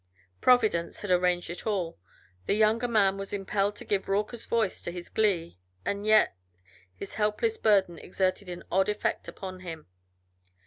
Providence had arranged it all. The younger man was impelled to give raucous voice to his glee, and yet his helpless burden exerted an odd effect upon him.